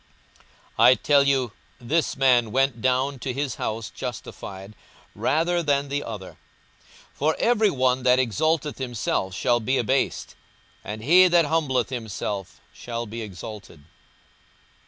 42:018:014 I tell you, this man went down to his house justified rather than the other: for every one that exalteth himself shall be abased; and he that humbleth himself shall be exalted.